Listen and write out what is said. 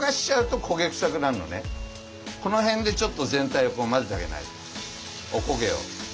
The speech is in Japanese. このへんでちょっと全体を混ぜてあげないとおこげを。